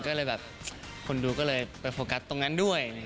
ก็เลยแบบคนดูก็เลยไปโฟกัสตรงนั้นด้วย